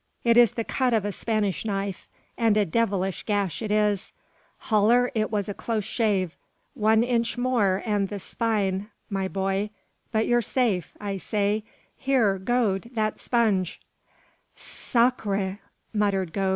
It is the cut of a Spanish knife, and a devilish gash it is. Haller, it was a close shave. One inch more, and the spine, my boy! but you're safe, I say. Here, Gode! that sponge!" "Sacre!"